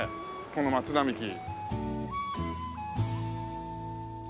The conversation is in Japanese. この松並木。